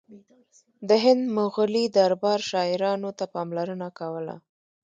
د هند مغلي دربار شاعرانو ته پاملرنه کوله